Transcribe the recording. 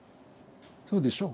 そうでしょ？